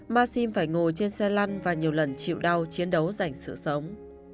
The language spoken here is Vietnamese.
maxim phải ngồi trên xe lăn và nhiều lần chịu đau chiến đấu dành sự sống